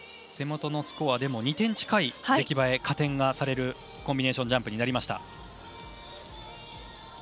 手元のスコアでも２点近い出来栄え、加点がされるコンビネーションジャンプになりました。